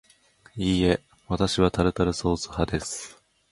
いいえ、わたしはタルタルソース派です